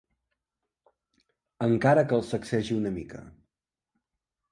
Encara que el sacsegi una mica.